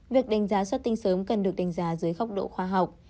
việc đánh giá xuất tinh sớm cần được đánh giá dưới khóc độ khoa học